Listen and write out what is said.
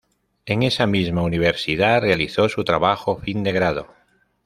En esa misma universidad realizó su trabajo fin de grado.